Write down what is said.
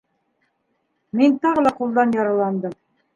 Мин тағы ла ҡулдан яраландым.